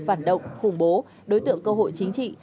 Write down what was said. phản động khủng bố đối tượng cơ hội chính trị